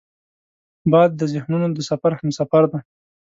باد د ذهنونو د سفر همسفر دی